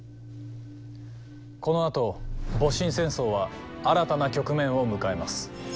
このあと戊辰戦争は新たな局面を迎えます。